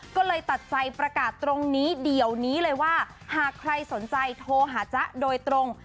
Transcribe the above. ก็เลยตัดใจประกาศตรงนี้เดี๋ยวนี้เลยว่าหากใครสนใจโทรหาจ๊ะโดยตรง